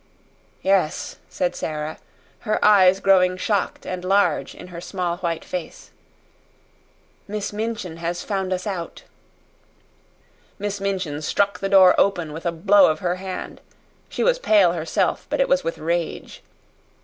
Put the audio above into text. "Yes," said Sara, her eyes growing shocked and large in her small white face. "Miss Minchin has found us out." Miss Minchin struck the door open with a blow of her hand. She was pale herself, but it was with rage.